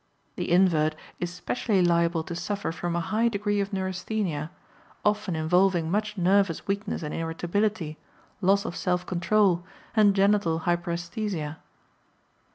The invert is specially liable to suffer from a high degree of neurasthenia, often involving much nervous weakness and irritability, loss of self control, and genital hyperesthesia.